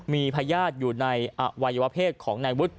มีพญาติอยู่ในอวัยวะเพศของนายวุฒิ